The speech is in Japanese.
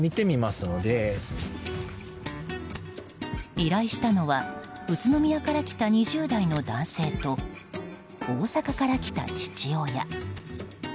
依頼したのは宇都宮から来た２０代の男性と大阪から来た父親。